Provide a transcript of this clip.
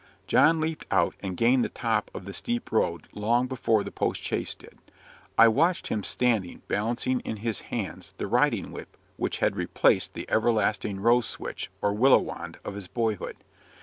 John leaped out and gained the top of the steep road long before the post chaise did. I watched him standing, balancing in his hands the riding whip which had replaced the everlasting rose switch, or willow wand, of his boyhood.